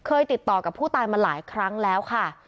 ติดต่อกับผู้ตายมาหลายครั้งแล้วค่ะ